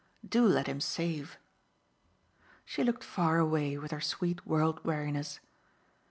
Do let him save." She looked far away with her sweet world weariness.